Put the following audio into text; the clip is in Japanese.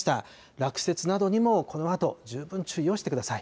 落雪などにも、このあと十分注意をしてください。